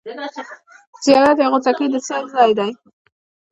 زیارت یا غوڅکۍ د سېل ځای دی.